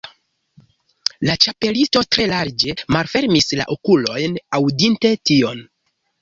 La Ĉapelisto tre larĝe malfermis la okulojn, aŭdinte tion.